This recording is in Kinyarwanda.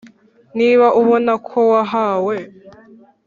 Niba ubona ko wahawe